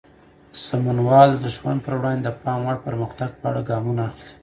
سمونوال د دښمن پر وړاندې د پام وړ پرمختګ په اړه ګامونه اخلي.